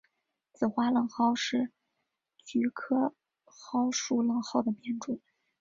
紫花冷蒿是菊科蒿属冷蒿的变种。